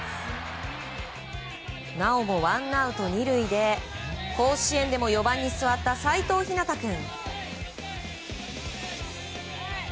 なおもワンアウト２塁で甲子園でも４番に座った齋藤陽君。